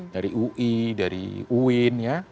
dari ui dari uin ya